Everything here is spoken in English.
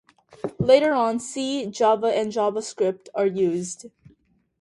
Later on, C, Java, and JavaScript are used.